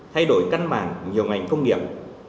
thay đổi căn bản nhiều ngành công nghiệp